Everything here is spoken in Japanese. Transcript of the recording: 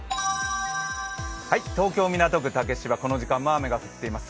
東京・港区竹芝、この時間も雨が降っています。